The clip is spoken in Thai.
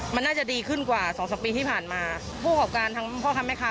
มันน่าจะดีขึ้นกว่าสองสักปีที่ผ่านมาผู้ขอบการทางพ่อคำให้ค่ะ